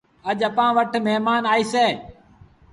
اڄ اَپآن وٽ مهمآݩ آئيٚسي۔